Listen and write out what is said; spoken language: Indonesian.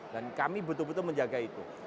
dan kami betul betul menjaga itu